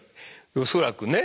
恐らくね。